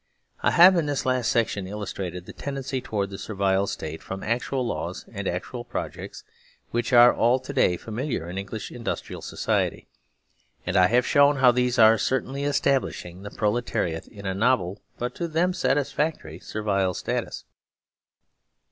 I have in this last section illustrated the tendency towards the Servile State from actual laws and actual projects with which all are to day familiar in English industrial society, and I have shown how these are certainly establish ing the proletariat in a novel, but to them satisfactory, Servile Status.